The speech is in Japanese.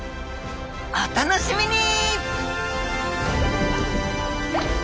お楽しみに！